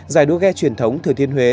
giải đua ghe truyền thống thừa thiên huế